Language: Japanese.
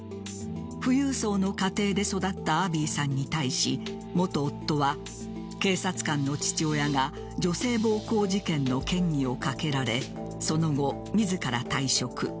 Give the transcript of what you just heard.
富裕層の家庭で育ったアビーさんに対し元夫は警察官の父親が女性暴行事件の嫌疑をかけられその後、自ら退職。